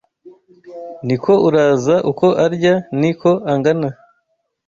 Niko Uraza Uko arya ni ko angana